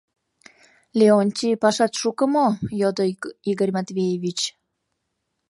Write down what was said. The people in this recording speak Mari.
— Леонтий, пашат шуко мо? — йодо Игорь Матвеевич.